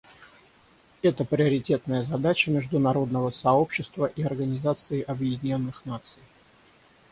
Это приоритетная задача международного сообщества и Организации Объединенных Наций.